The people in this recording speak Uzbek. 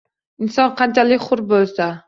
Inson qanchalik hur bo‘lsa